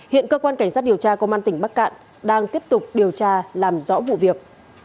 hiện cơ quan cảnh sát điều tra công an tỉnh bắc cạn đang tiếp tục điều tra làm rõ vụ việc